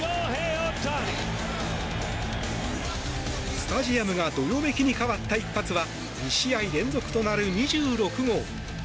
スタジアムがどよめきに変わった一発は２試合連続となる２６号。